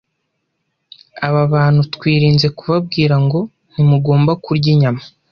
Aba bantu twirinze kubabwira ngo, ntimugomba kurya inyama